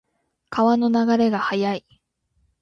川の流れが速い。